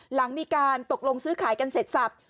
หลังมีการตกลงซื้อขายกันเสร็จสับ